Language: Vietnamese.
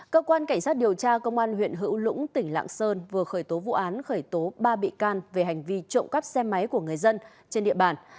cơ quan cảnh sát điều tra công an huyện hữu lũng tỉnh lạng sơn vừa khởi tố vụ án khởi tố ba bị can về hành vi trộm cắp xe máy của người dân trên địa bàn